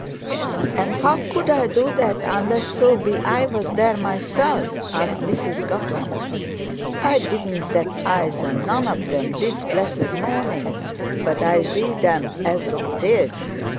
'And how could I do that, unless so be I was there myself?' asked Mrs Guffen. 'I didn't set eyes on none of them this blessed morning, but I zee'd them as did.